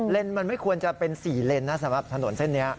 มันไม่ควรจะเป็น๔เลนนะสำหรับถนนเส้นนี้